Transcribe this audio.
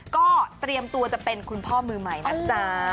ก็เตรียมตัวจะเป็นคุณพ่อมือใหม่นะจ๊ะ